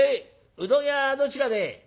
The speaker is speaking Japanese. うどん屋どちらで？」。